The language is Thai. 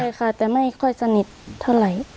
ใช่ค่ะแต่ไม่ค่อยสนิทเท่าไหร่